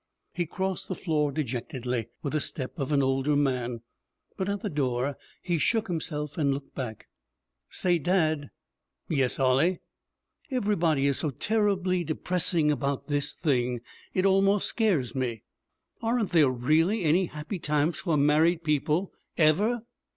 He crossed the floor dejectedly, with the step of an older man, but at the door he shook himself and looked back. 'Say, dad!' 'Yes, Ollie.' 'Everybody is so terribly depressing about this thing, it almost scares me. Aren't there really any happy times for married people, ever?